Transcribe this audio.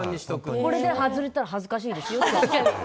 これで外れたら恥ずかしいですよ。